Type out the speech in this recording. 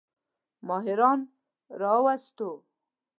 ماهران ورواستوو.